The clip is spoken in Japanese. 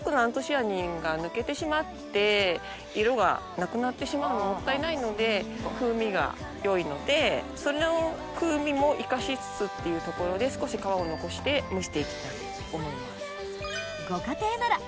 色がなくなってしまうのもったいないので風味が良いのでその風味も生かしつつっていうところで少し皮を残して蒸していきたいと思います。